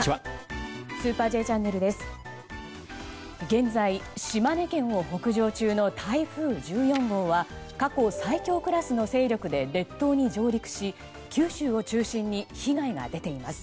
現在、島根県を北上中の台風１４号は過去最強クラスの勢力で列島に上陸し九州を中心に被害が出ています。